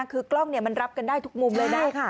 คือกล้องมันรับกันได้ทุกมุมเลยนะ